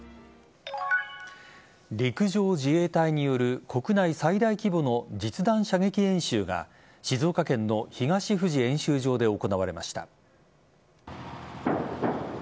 陸上自衛隊による国内最大規模の実弾射撃演習が静岡県の東富士演習場で行われました。